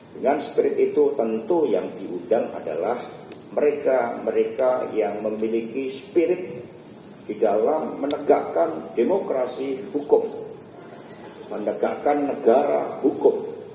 dengan spirit itu tentu yang diundang adalah mereka mereka yang memiliki spirit di dalam menegakkan demokrasi hukum menegakkan negara hukum